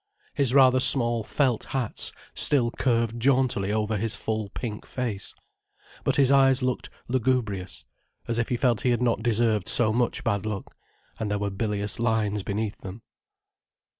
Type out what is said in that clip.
His rather small felt hats still curved jauntily over his full pink face. But his eyes looked lugubrious, as if he felt he had not deserved so much bad luck, and there were bilious lines beneath them.